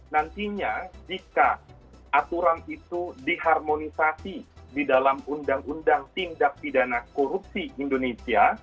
nantinya jika aturan itu diharmonisasi di dalam undang undang tindak pidana korupsi indonesia